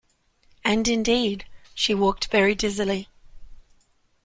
And indeed, she walked very dizzily.